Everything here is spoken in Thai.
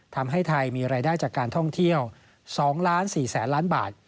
ทำให้ไทยมีรายได้จากการท่องเที่ยว๒๔๐๐๐ล้านบาท